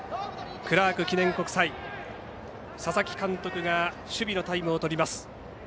クラーク記念国際佐々木監督が守備のタイムを取ります。